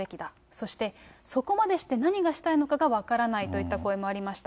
そして、そこまでして何がしたいのかが分からないといった声もありました。